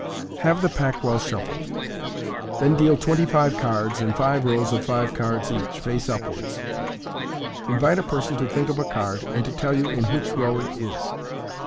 — Have the pack well shuffled. Then deal twenty five cards, in five rows of five cards each, face upwards. Invite a person to think of a card, and to tell you in which row it is.